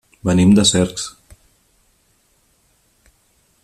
Venim de Cercs.